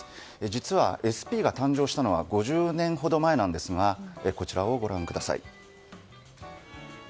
実はＳＰが誕生したのは５０年程前ですがこちらをご覧ください。